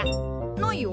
ないよ。